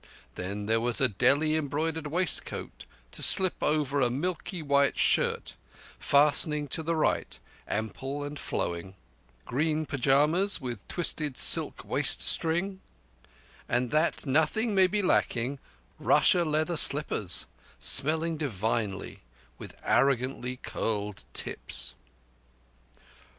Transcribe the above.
There was a Delhi embroidered waistcoat to slip over a milky white shirt, fastening to the right, ample and flowing; green pyjamas with twisted silk waist string; and that nothing might be lacking, russia leather slippers, smelling divinely, with arrogantly curled tips.